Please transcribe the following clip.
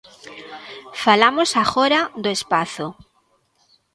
Falamos agora do espazo.